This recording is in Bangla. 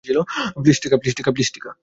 প্লীজ, সিটকা।